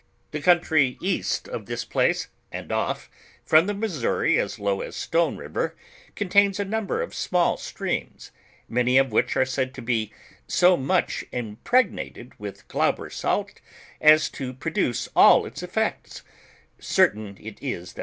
The coun try east of this place, and oif. from the Missouri as low as Stone river, contains a number of small streams, many of which are said to be so much impregnated with g'lau ber salt as to produce all its effects; certain it is that t.